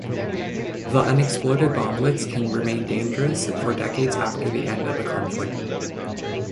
The unexploded bomblets can remain dangerous for decades after the end of a conflict.